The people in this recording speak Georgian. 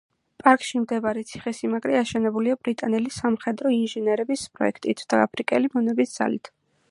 პარკში მდებარე ციხესიმაგრე აშენებულია ბრიტანელი სამხედრო ინჟინერების პროექტით და აფრიკელი მონების ძალით.